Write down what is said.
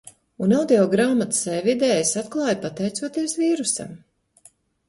Un audio grāmatas e-vidē es atklāju pateicoties vīrusam.